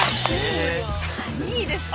いいですね。